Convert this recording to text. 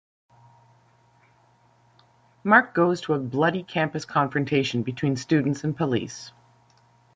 Mark goes to a bloody campus confrontation between students and police.